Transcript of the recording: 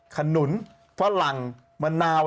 ขนุนฝรั่งมะนาว